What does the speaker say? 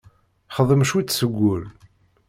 Xdem cwiṭ seg wul.